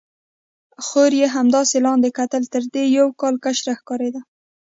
خور یې همداسې لاندې کتل، تر دې یو کال کشره ښکارېده.